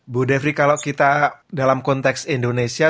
bu devri kalau kita dalam konteks indonesia